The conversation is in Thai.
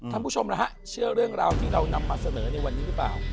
ท่านผู้ชมนะฮะเชื่อเรื่องราวที่เรานำมาเสนอในวันนี้หรือเปล่า